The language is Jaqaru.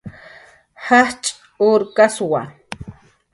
Jajch' urkaswa